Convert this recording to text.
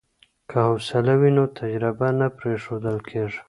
که حوصله وي نو تجربه نه پریښودل کیږي.